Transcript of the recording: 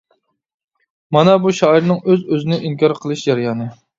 مانا بۇ شائىرنىڭ ئۆز-ئۆزىنى ئىنكار قىلىش جەريانى.